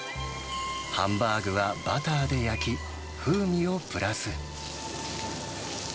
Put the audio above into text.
ハンバーグはバターで焼き、風味をプラス。